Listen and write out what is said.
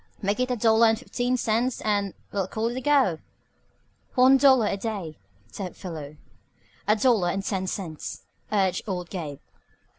"Make it a dollar an' fifteen cents and we'll call it a go." "One dollar a day," said Philo. "A dollar, ten cents," urged old Gabe.